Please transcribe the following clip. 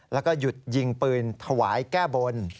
แล้วก็หยุดยิงปืนถวายแก้บน